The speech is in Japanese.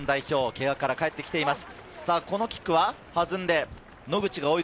ケガから帰ってきています。